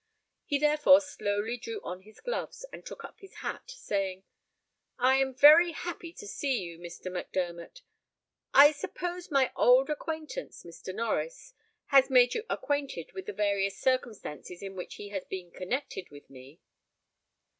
He therefore slowly drew on his gloves, and took up his hat, saying, "I am very happy to see you, Mr. Mac Dermot. I suppose my old acquaintance, Mr. Norries, has made you acquainted with the various circumstances in which he has been connected with me?"